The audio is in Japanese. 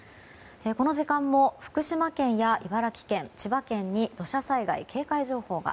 この時間も福島県や茨城県、千葉県に土砂災害警戒情報が。